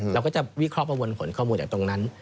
เราก็จะวิเคราะห์ประมวลผลข้อมูลจากตรงนั้น